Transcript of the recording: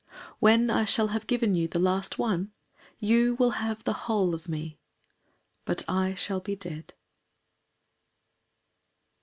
When I shall have given you the last one, You will have the whole of me, But I shall be dead.